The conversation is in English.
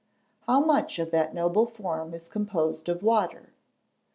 How much of that noble form is composed of water?